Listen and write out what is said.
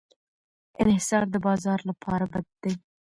انحصار د بازار لپاره بد دی.